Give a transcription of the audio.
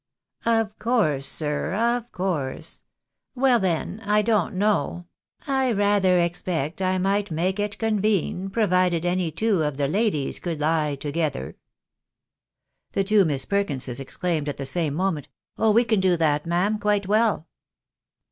" Of course, sir, of course. Well then, I don't know — I rather expect I might make it convene, provided any two of the ladies could lie together " The two Miss Perkinses exclaimed at the same moment, " Oh, we can do that, ma'am, quite well."